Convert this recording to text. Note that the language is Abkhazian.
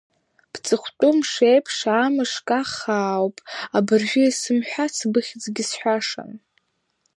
Бҵыхәтәы мшы еиԥш амыш каххаауп, абыржәы, исымҳәац быхьӡгьы сҳәашан…